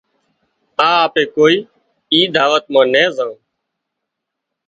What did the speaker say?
آ اپي ڪوئي اي دعوت مان نين زان